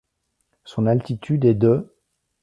Son altitude est de .